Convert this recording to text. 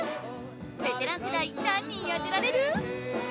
ベテラン世代何人当てられる？